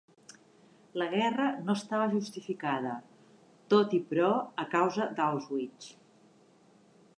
La guerra no estava justificada "tot i però a causa d'Auschwitz".